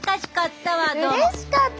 うれしかった。